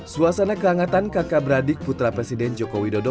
suasana kehangatan kakak beradik putra presiden joko widodo